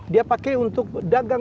dia pakai untuk dagang